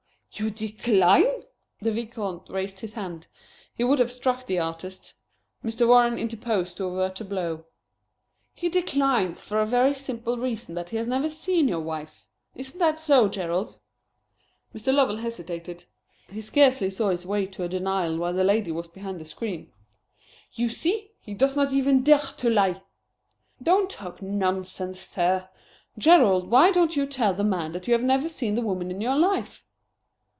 "You decline?" The Vicomte raised his hand. He would have struck the artist. Mr. Warren interposed to avert the blow. "He declines for the very simple reason that he has never seen your wife; isn't that so, Gerald?" Mr. Lovell hesitated. He scarcely saw his way to a denial while the lady was behind the screen. "You see! He does not even dare to lie!" "Don't talk nonsense, sir! Gerald, why don't you tell the man that you have never seen the woman in your life?"